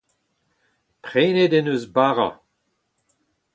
Prenet en deus bara.